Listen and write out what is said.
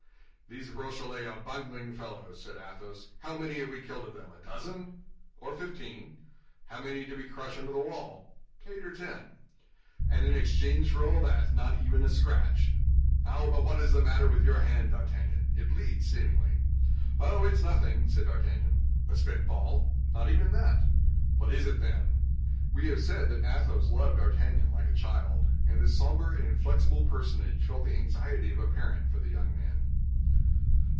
"These Rochellais are bungling fellows," said Athos; "how many have we killed of them—a dozen?" "Or fifteen." "How many did we crush under the wall?" "Eight or ten." "And in exchange for all that not even a scratch! Ah, but what is the matter with your hand, D'Artagnan? It bleeds, seemingly." "Oh, it's nothing," said D'Artagnan. "A spent ball?" "Not even that." "What is it, then?" We have said that Athos loved D'Artagnan like a child, and this somber and inflexible personage felt the anxiety of a parent for the young man.